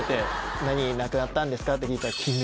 「何なくなったんですか？」って聞いたら「金メダル」。